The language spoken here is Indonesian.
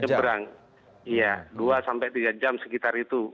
nyebrang iya dua sampai tiga jam sekitar itu